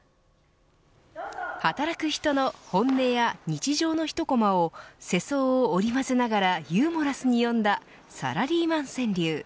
働く人の本音や日常の一こまを世相を織り交ぜながらユーモラスに読んだサラリーマン川柳。